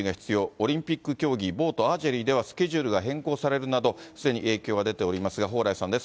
オリンピック競技、ボート、アーチェリーでは、スケジュールが変更されるなど、すでに影響が出ておりますが、蓬莱さんです。